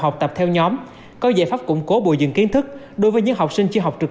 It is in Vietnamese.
học tập theo nhóm có giải pháp củng cố bồi dựng kiến thức đối với những học sinh chưa học trực